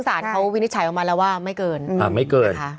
ส่านเวนิฐ์ไฉมออกมาแล้วว่าไม่เกิน